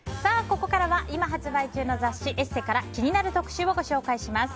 ここからは今発売中の雑誌「ＥＳＳＥ」から気になる特集をご紹介します。